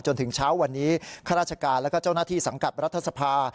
จนถึงเช้าวันนี้ข้าราชการแล้วก็เจ้าหน้าที่สังกัดรัฐสภา